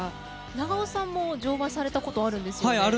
長尾さんも乗馬されたことあるんですよね？